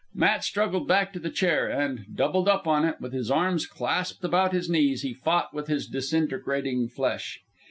Matt struggled back to the chair, and, doubled up on it, with his arms clasped about his knees, he fought with his disintegrating flesh.